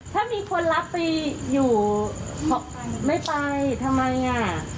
ก็รู้เพียงไม่โปรดหยวงเท้าทะเลแล้วพวกมียิงทรัพย์ค่ะ